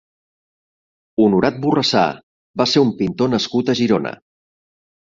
Honorat Borrassà va ser un pintor nascut a Girona.